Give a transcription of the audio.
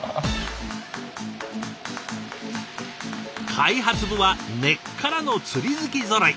開発部は根っからの釣り好きぞろい。